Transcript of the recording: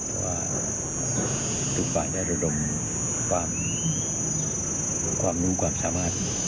เพราะว่าทุกฝ่ายได้ระดมความรู้ความสามารถ